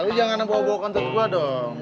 lu jangan bawa bawa kentut gue dong